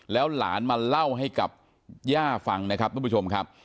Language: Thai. แล้วหลานมาเล่าให้กับย่าฟังนะครับทุกผู้ชมครับ